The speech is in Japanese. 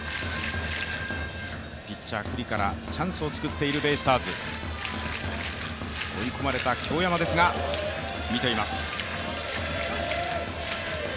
ピッチャー九里、チャンスを作っているベイスターズ追い込まれた京山ですが見ています。